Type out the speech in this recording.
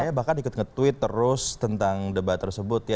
saya bahkan ikut nge tweet terus tentang debat tersebut ya